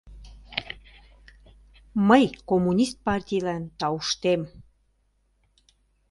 Мый коммунист партийлан тауштем...